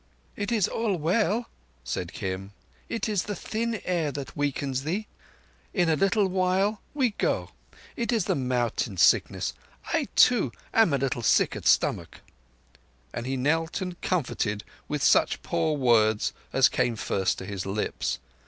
"It is all well," said Kim. "It is the thin air that weakens thee. In a little while we go! It is the mountain sickness. I too am a little sick at stomach,"—and he knelt and comforted with such poor words as came first to his lips.